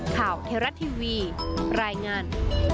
ข่าวเทราะต์ทีวีรายงาน